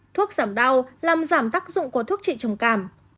thuốc giảm đau làm giảm tác dụng của thuốc trị trầm cảm